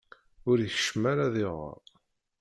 Ur ikeččem ara ad iɣer.